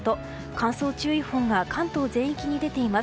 乾燥注意報が関東全域に出ています。